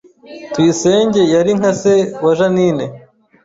Tuyisenge yari nka se wa Jeaninne